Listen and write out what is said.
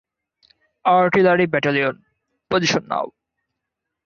Artillery battalion, position now!